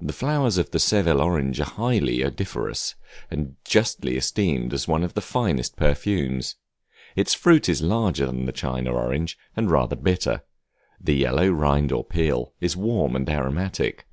The flowers of the Seville orange are highly odoriferous, and justly esteemed one of the finest perfumes. Its fruit is larger than the China orange, and rather bitter; the yellow rind or peel is warm and aromatic.